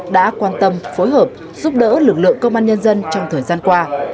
đã quan tâm phối hợp giúp đỡ lực lượng công an nhân dân trong thời gian qua